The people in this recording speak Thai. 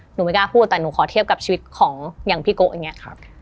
ไม่กล้าพูดแต่หนูขอเทียบกับชีวิตของอย่างพี่โกะอย่างนี้